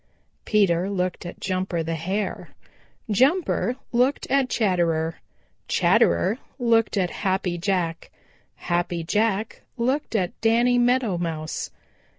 Peter looked at Jumper the Hare. Jumper looked at Chatterer. Chatterer looked at Happy Jack. Happy Jack looked at Danny Meadow Mouse.